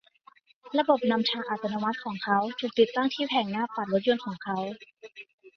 ระบบนำทางอัตโนมัติของเขา ถูกติดตั้งที่แผงหน้าปัดรถยนต์ของเขา